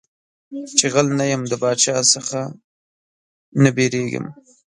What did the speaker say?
چي غل نه يم د باچا څه نه بيرېږم.